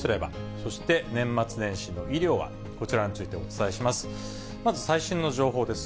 そして年末年始の医療は、こちらについてお伝えします。